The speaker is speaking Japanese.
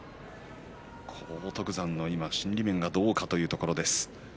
荒篤山の今の心理面がどうかというところです。